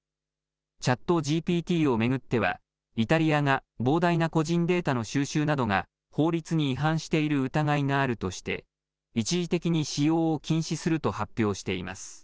ＣｈａｔＧＰＴを巡ってはイタリアが膨大な個人データの収集などが法律に違反している疑いがあるとして一時的に使用を禁止すると発表しています。